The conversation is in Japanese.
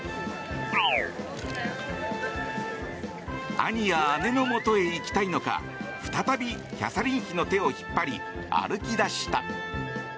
兄や姉のもとへ行きたいのか再びキャサリン妃の手を引っ張り歩き出した。